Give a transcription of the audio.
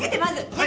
はい！